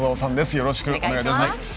よろしくお願いします。